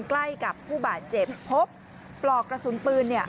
ใกล้กับผู้บาดเจ็บพบปลอกกระสุนปืนเนี่ย